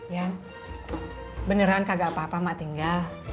yan beneran kagak apa apa mak tinggal